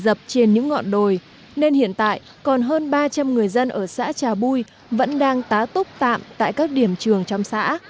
đợt mưa lũ đang dình dập trên những ngọn đồi nên hiện tại còn hơn ba trăm linh người dân ở xã trá bui vẫn đang tá túc tạm tại các điểm trường trong xã